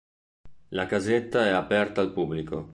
La casetta è aperta al pubblico.